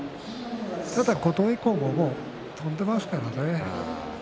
ただ琴恵光ももう飛んでいますからね。